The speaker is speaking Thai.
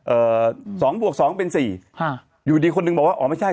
เอ่อสองบวกสองเป็นสี่ฮะอยู่ดีคนหนึ่งบอกว่าอ๋อไม่ใช่